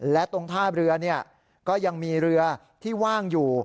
และตรงท่าเรือก็ยังมีเรือที่ว่างอยู่